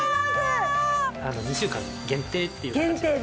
２週間限定っていう形で。